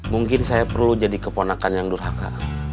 mungkin saya perlu jadi keponakan yang durhaka